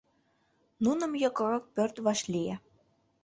Нуным йокрок пӧрт вашлие.